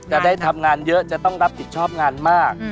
จะได้ทำงานเยอะจะต้องรับผิดชอบงานมาก